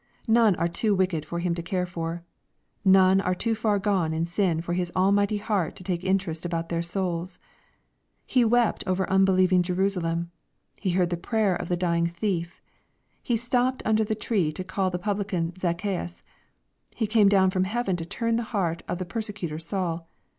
None are too wicked for Him to care for. None are too far gone in sin for his almighty heart to take interest about their souls. He wept over unbelieving Jerusalem. He heard the prayer of the dying thief. He stopped under the tree to call the publican Zacchaaus. He came down from heaven to turn the heart of the persecutor Saul.